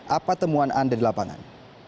apa temuan anda di lapangan